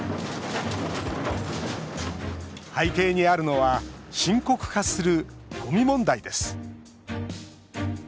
背景にあるのは深刻化するゴミ問題です。